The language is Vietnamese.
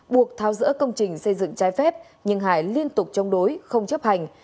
buộc thao dỡ công trình xây dựng trái phép nhưng hải liên tục chống đối không chấp hành